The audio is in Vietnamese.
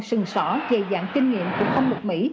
sừng sỏ dày dạng kinh nghiệm của không một mỹ